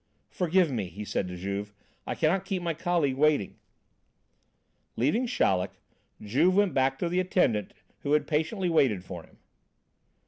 "Forgive me," he said to Juve. "I cannot keep my colleague waiting." Leaving Chaleck, Juve went back to the attendant who had patiently waited for him.